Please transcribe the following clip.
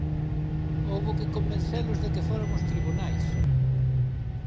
¡Houbo que convencelos de que foran aos tribunais!